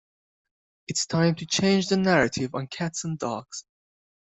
It's time to change the narrative on cats and dogs.